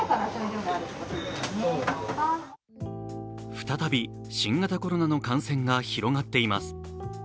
再び新型コロナの感染が広がっています。